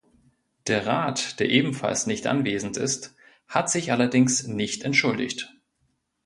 Der Rat, der ebenfalls nicht anwesend ist, hat sich allerdings nicht entschuldigt.